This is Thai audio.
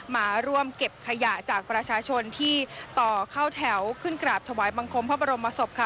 มาร่วมเก็บขยะจากประชาชนที่ต่อเข้าแถวขึ้นกราบถวายบังคมพระบรมศพค่ะ